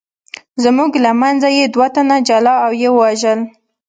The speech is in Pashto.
زموږ له منځه یې دوه تنه جلا او ویې وژل.